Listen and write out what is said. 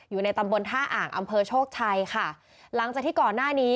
อยู่ในตำบลท่าอ่างอำเภอโชคชัยค่ะหลังจากที่ก่อนหน้านี้